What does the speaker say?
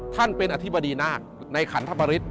ท่านเป็นอธิบดีนากศ์ในขันธรรมฤทธิ์